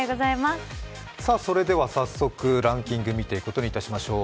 それでは早速、ランキング見ていくことにいたしましょう。